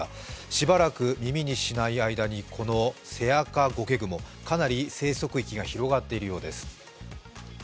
しばらく耳にしない間にこのセアカゴケグモかなり生息域が広がっているようです。